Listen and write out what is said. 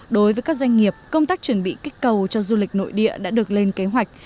đối với các doanh nghiệp công tác chuẩn bị kích cầu cho du lịch nội địa đã được lên kế hoạch